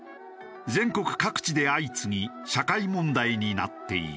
全国各地で相次ぎ社会問題になっている。